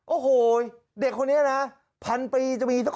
โอ้โหเด็กคนนี้นะ๑๐๐๐ปีจะมีเจ้าคน